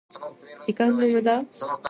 時間の無駄？